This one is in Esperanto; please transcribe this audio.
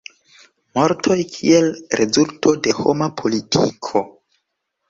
Mortoj kiel rezulto de homa politiko.